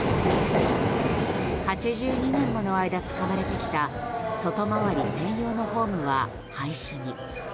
８２年もの間、使われてきた外回り線用のホームは廃止に。